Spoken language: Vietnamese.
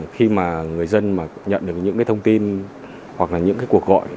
khi mà người dân nhận được những thông tin hoặc là những cuộc gọi